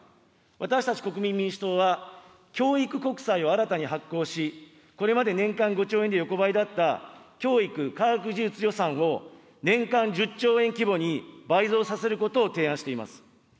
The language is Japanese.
私たち国民民主党は、教育国債を新たに発行し、これまで年間５兆円で横ばいだった教育・科学技術予算を、年間１０兆円規模に倍増させることを提案しています。